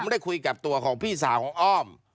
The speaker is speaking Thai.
ได้คุยกับตัวของพี่สาวของอ้อม